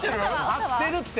合ってるって。